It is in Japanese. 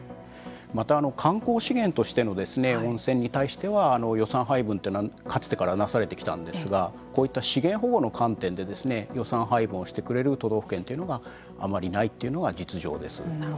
また観光資源としての温泉に対しては予算配分というのはかつてからなされてきたんですがこういった資源保護の観点で予算配分をしてくれる都道府県というのがあまりないというのが実情です。